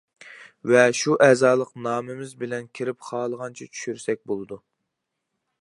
ۋە شۇ ئەزالىق نامىمىز بىلەن كىرىپ خالىغانچە چۈشۈرسەك بولىدۇ.